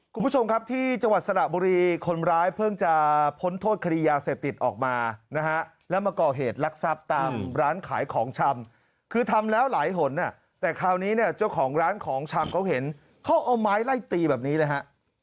คุณผู้ชมครับที่จังหวัดสระบุรีคนร้ายเพิ่งจะพ้นโทษคดียาเสพติดออกมานะฮะแล้วมาก่อเหตุลักษัพตามร้านขายของชำคือทำแล้วหลายหนอ่ะแต่คราวนี้เนี่ยเจ้าของร้านของชำเขาเห็นเขาเอาไม้ไล่ตีแบบนี้เลยฮะ